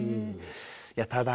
いやただ。